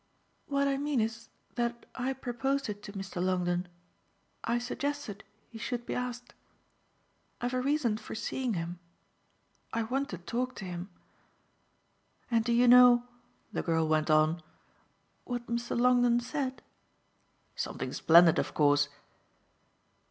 "What I mean is that I proposed it to Mr. Longdon, I suggested he should be asked. I've a reason for seeing him I want to talk to him. And do you know," the girl went on, "what Mr. Longdon said?" "Something splendid of course."